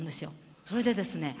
それでですね